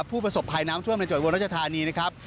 ผู้ประสบภัยน้ำท่วมในจังหวัดรัชธานีนะครับ